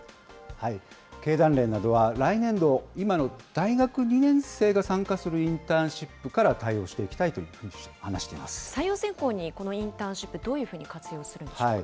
経団連などは、来年度、今の大学２年生が参加するインターンシップから対応していきたい採用選考にこのインターンシップ、どういうふうに活用するんでしょうか。